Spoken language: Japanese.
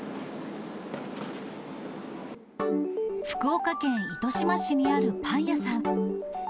福岡県糸島市にあるパン屋さん。